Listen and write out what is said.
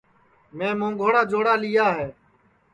میں مونٚگوڑا جوڑا لیا ہے